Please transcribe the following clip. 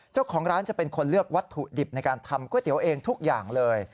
เจ้าของร้านจะเป็นคนเลือกวัตถุดิบในการทำก๋วยเตี๋ยวเองทุกอย่างเลย